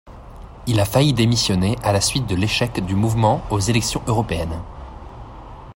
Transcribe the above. Il a failli démissionner à la suite de l'échec du mouvement aux élections européennes.